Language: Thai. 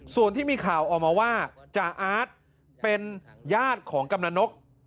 ส่วนที่มีข่าวออกมาว่าจ่าอาร์ตเป็นญาติของกำลังนก